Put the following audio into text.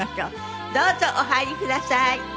どうぞお入りください。